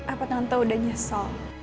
apa tante sudah nyesel